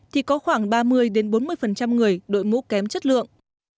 thì có khoảng ba mươi bốn mươi người đội mũ kém chất lượng